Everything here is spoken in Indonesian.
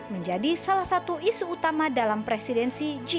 menjadi salah satu isu utama dalam presidensi g dua puluh